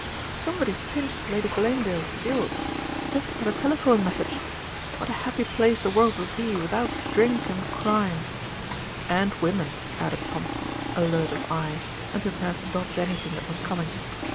"Somebody's pinched Lady Glanedale's jewels. Just had a telephone message. What a happy place the world would be without drink and crime " "And women," added Thompson, alert of eye, and prepared to dodge anything that was coming.